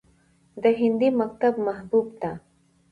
د هندي مکتب محبوب ته